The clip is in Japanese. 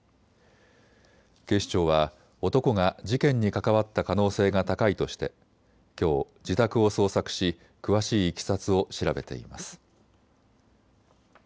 警視庁は男が事件に関わった可能性が高いとしてきょう自宅を捜索し詳しいいきさつを調べています。